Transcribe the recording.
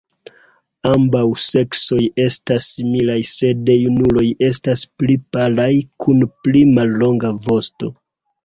Ambaŭ seksoj estas similaj, sed junuloj estas pli palaj kun pli mallonga vosto.